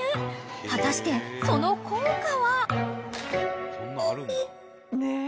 ［果たしてその効果は？］